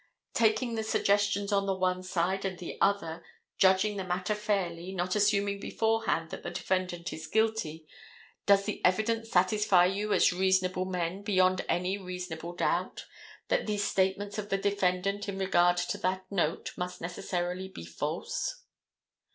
Taking the suggestions on the one side and the other, judging the matter fairly, not assuming beforehand that the defendant is guilty does the evidence satisfy you as reasonable men, beyond any reasonable doubt, that these statements of the defendant in regard to that note must necessarily be false.